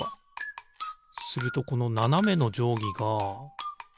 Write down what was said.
するとこのななめのじょうぎが。